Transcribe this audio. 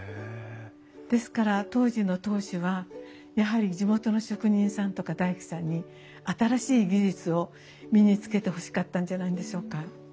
ですから当時の当主はやはり地元の職人さんとか大工さんに新しい技術を身につけてほしかったんじゃないんでしょうか。